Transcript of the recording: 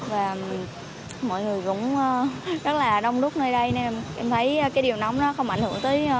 và mọi người cũng rất là đông đúc nơi đây nên em thấy cái điều nóng nó không ảnh hưởng tới